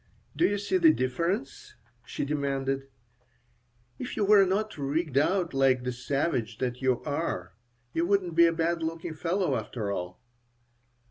"Do you see the difference?" she demanded. "If you were not rigged out like the savage that you are you wouldn't be a bad looking fellow, after all.